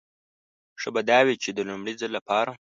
ښه به دا وي چې د لومړي ځل لپاره.